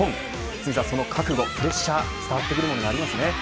堤さん、その覚悟、プレッシャー伝わってくるものありますね。